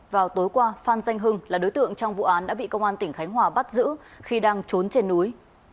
vào tối qua phan danh hưng là đối tượng trong vụ án đã bị công an tỉnh khánh hòa bắt giữ khi đang trốn trên núi